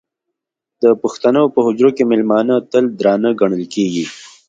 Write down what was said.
د پښتنو په حجرو کې مېلمانه تل درانه ګڼل کېږي.